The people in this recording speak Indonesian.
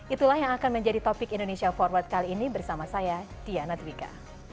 itulah yang akan menjadi topik indonesia forward kali ini bersama saya diana twika